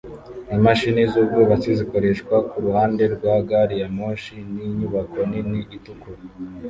Imashini zubwubatsi zikoreshwa kuruhande rwa gari ya moshi ninyubako nini itukura